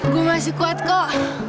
gue masih kuat kok